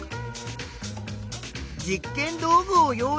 実験道具を用意して。